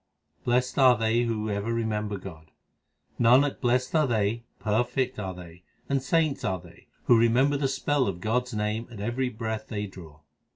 Blest are they who ever remember God : Nanak, blest are they, perfect are they, and saints are they, Who remember the spell of God s name at every breath they draw.